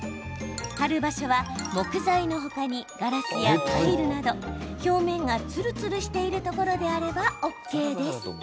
貼る場所は、木材の他にガラスやタイルなど表面がつるつるしているところであればＯＫです。